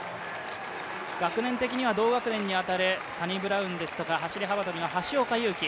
学年的には同学年に当たるサニブラウンですとか走幅跳の橋岡優輝